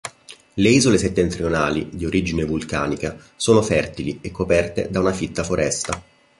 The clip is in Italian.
Le isole settentrionali, di origine vulcanica, sono fertili e coperte da una fitta foresta.